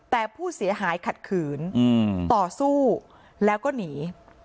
แต่ผู้เสียหายขัดขืนต่อสู้แล้วก็หนี